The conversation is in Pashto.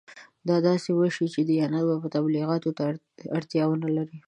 که داسې وشي دیانت به تبلیغاتو ته اړتیا ونه لري.